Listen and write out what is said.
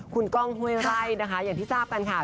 คุณก้องห้วยไร่นะคะอย่างที่ทราบกันค่ะ